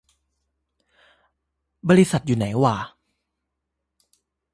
บริษัทอยู่ไหนหว่า